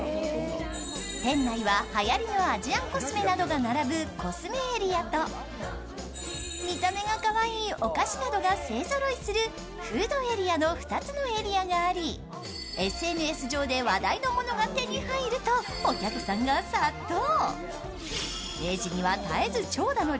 店内ははやりのアジアンコスメなどが並ぶコスメエリアと見た目がかわいいお菓子などが勢ぞろいするフードエリアの２つのエリアがあり、ＳＮＳうえで話題のものが手に入るとお客さんが殺到。